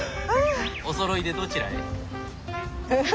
おそろいでどちらへ？